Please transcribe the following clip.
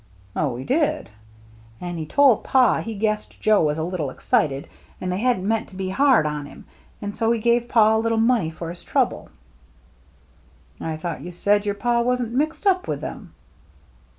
"Oh, he did.?" " And he told Pa he guessed Joe was a little excited, and they hadn't meant to be hard on him. And so he gave Pa a little money for his trouble." "I thought you said your father wasn't mixed up with them."